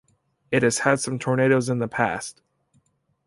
It has had some tornadoes in the past.